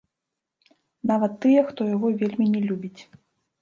Нават тыя, хто яго вельмі не любіць.